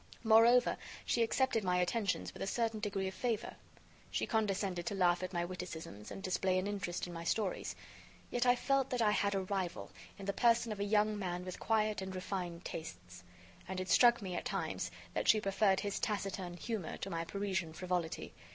Moreover, she accepted my attentions with a certain degree of favor. She condescended to laugh at my witticisms and display an interest in my stories. Yet I felt that I had a rival in the person of a young man with quiet and refined tastes; and it struck me, at times, that she preferred his taciturn humor to my Parisian frivolity.